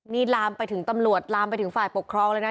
นี่ลามไปถึงตำรวจลามไปถึงฝ่ายปกครองเลยนะ